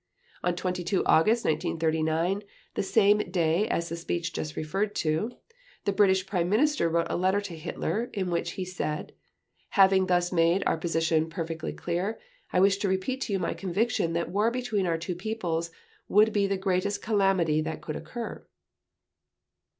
On 22 August 1939, the same day as the speech just referred to, the British Prime Minister wrote a letter to Hitler, in which he said: "Having thus made our position perfectly clear, I wish to repeat to you my conviction that war between our two peoples would be the greatest calamity that could occur."